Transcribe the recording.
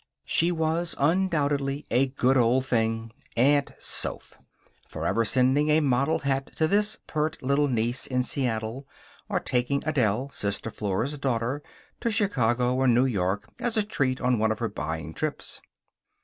She was, undoubtedly, a good old thing Aunt Soph. Forever sending a model hat to this pert little niece in Seattle; or taking Adele, Sister Flora's daughter, to Chicago or New York as a treat on one of her buying trips.